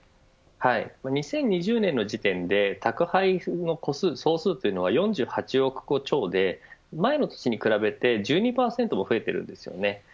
２０２０年の時点で宅配の個数は４８億個超で前の月に比べておよそ１２％増えているんです。